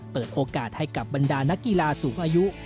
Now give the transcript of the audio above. เปิดโอกาสให้กับบรรดานักกีฬาสูงอายุ